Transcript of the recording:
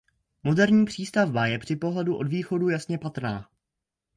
Moderní přístavba je při pohledu od východu jasně patrná.